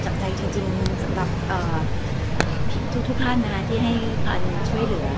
จากใจจริงสำหรับทุกท่านที่ให้การช่วยเหลือ